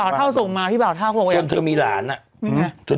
ช่วงเธอมีหลานอะ